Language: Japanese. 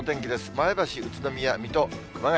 前橋、宇都宮、水戸、熊谷。